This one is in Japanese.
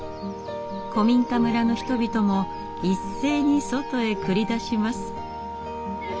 古民家村の人々も一斉に外へ繰り出します。